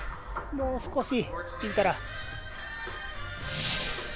もう少し行っていたら。